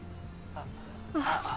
あっ。